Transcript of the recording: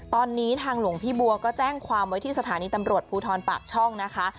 ตอนนี้ทางหลวงพี่บัวก็แจ้งความไว้ที่สถานีตำรวจภูทรปากช่องนะคะ